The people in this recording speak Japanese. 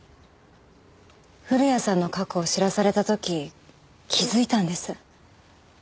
古谷さんの過去を知らされた時気付いたんです。